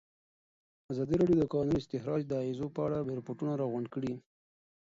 ازادي راډیو د د کانونو استخراج د اغېزو په اړه ریپوټونه راغونډ کړي.